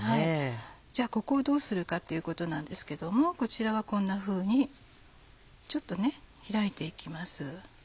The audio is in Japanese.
じゃあここをどうするかっていうことなんですけどもこちらはこんなふうにちょっと開いていきます。